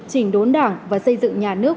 chỉnh đốn đảng và xây dựng nhà nước